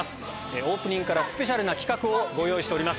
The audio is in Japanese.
オープニングからスペシャルな企画をご用意しております。